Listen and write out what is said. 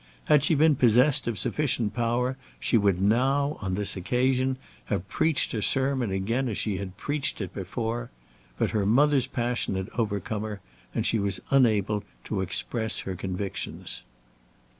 Had she been possessed of sufficient power she would now, on this occasion, have preached her sermon again as she had preached it before; but her mother's passion had overcome her, and she was unable to express her convictions.